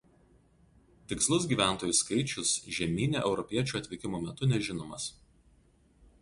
Tikslus gyventojų skaičius žemyne europiečių atvykimo metu nežinomas.